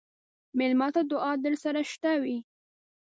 مېلمه ته دعا درسره شته وي.